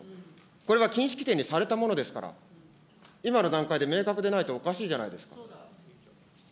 これは禁止規定にされたものですから、今の段階で明確でないとおかしいじゃないですか。